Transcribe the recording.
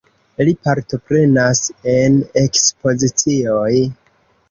Li partoprenas en ekspozicioj.